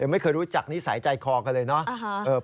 ไม่เคยรู้จักนิสัยใจคอกันเลยเนาะ